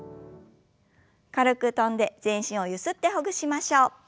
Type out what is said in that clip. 軽く跳んで全身をゆすってほぐしましょう。